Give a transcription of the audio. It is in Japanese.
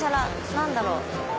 何だろう？